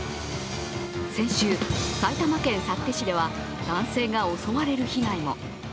先週、埼玉県幸手市では男性が襲われる被害も。